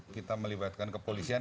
kita melibatkan kepolisian